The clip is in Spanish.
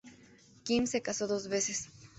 Kim se casó dos veces.